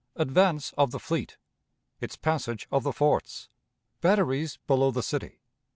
Advance of the Fleet. Its Passage of the Forts. Batteries below the City.